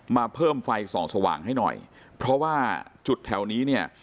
มาเพิ่มไฟส่องสว่างให้หน่อยเพราะว่าจุดแถวนี้เนี่ย